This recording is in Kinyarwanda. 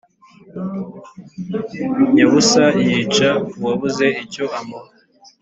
Nyabusa yica uwabuze icyo amuha